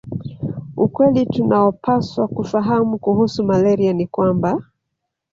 Ukweli tunaopaswa kufahamu kuhusu malaria ni kwamba